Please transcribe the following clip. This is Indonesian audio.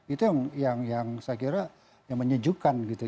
itu yang saya kira yang menyejukkan gitu